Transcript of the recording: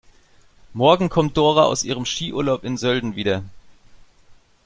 Morgen kommt Dora aus ihrem Skiurlaub in Sölden wieder.